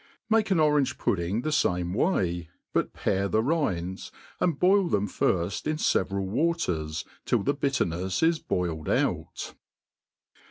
Make an orange pudding the fame way, but pare the rinds, and' boil them Jiilt in feveral waters, till the bitter nefs is boiled out.